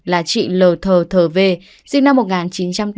là chị l t t v sinh năm một nghìn chín trăm tám mươi sáu